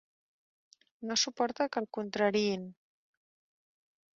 No suporta que el contrariïn.